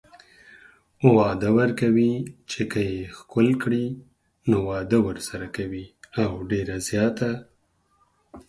وعده ورکوي چې که يې ښکل کړي نو واده ورسره کوي او ډيره زياته